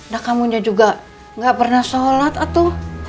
nah kamu aja juga nggak pernah sholat atau